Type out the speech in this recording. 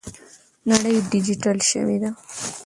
نړۍ ډیجیټل شوې ده.